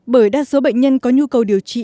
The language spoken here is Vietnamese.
bởi đa số bệnh nhân có nhu cầu điều trị